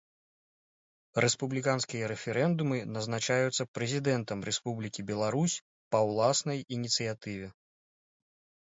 Рэспубліканскія рэферэндумы назначаюцца Прэзідэнтам Рэспублікі Беларусь па ўласнай ініцыятыве.